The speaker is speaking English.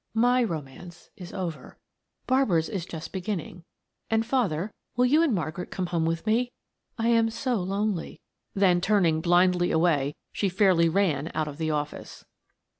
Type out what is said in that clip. "My romance is over; Barbara's is just beginning. And, father, will you and Margaret come home with me I am so lonely;" then turning blindly away she fairly ran out of the office.